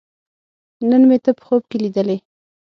نن مې ته په خوب کې لیدلې